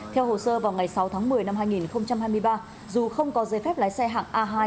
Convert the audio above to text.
theo hồ sơ vào ngày sáu tháng một mươi năm hai nghìn hai mươi ba dù không có giấy phép lái xe hạng a hai